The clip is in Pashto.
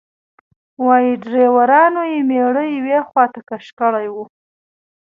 وایي ډریورانو یې میړه یوې خواته کش کړی و.